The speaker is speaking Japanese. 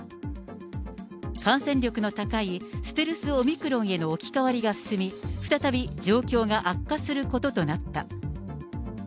感染力の高いステルス・オミクロンへの置き換わりが進み、再び、状況が悪化することとなった。